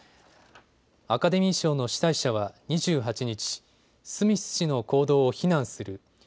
アカデミー賞の主催者は２８日、スミス氏の行動を非難する。